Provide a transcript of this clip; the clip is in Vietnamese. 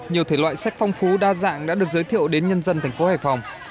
nhiều thể loại sách phong phú đa dạng đã được giới thiệu đến nhân dân thành phố hải phòng